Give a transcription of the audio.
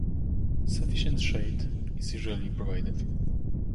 Sufficient shade is usually provided.